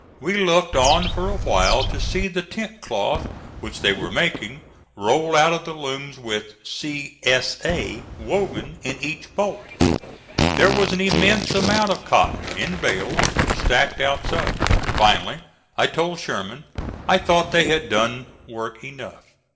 We looked on for a while to see the tent cloth which they were making roll out of the looms, with "C. S. A." woven in each bolt. There was an immense amount of cotton, in bales, stacked outside. Finally I told Sherman I thought they had done work enough.